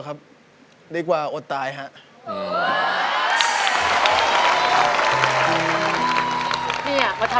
เพลงที่๑มูลค่า๑๐๐๐๐บาท